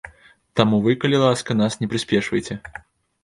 Таму вы, калі ласка, нас не прыспешвайце.